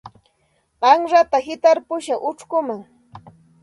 Qanrata hitarpushaq uchkuman.